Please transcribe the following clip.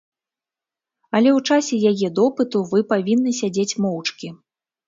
Але ў часе яе допыту вы павінны сядзець моўчкі.